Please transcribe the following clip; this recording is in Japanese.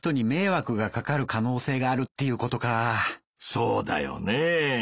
そうだよねぇ。